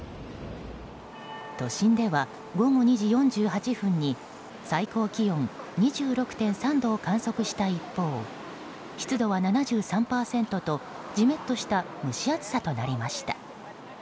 都心では午後２時４８分に最高気温２６．３度を観測した一方湿度は７３％と、ジメッとした蒸し暑さとなりました。